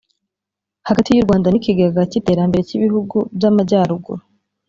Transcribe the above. hagati y u Rwanda n Ikigega cy Iterambere cy Ibihugu by Amajyaruguru